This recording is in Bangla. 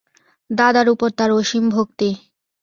দাদার উপর তার অসীম ভক্তি।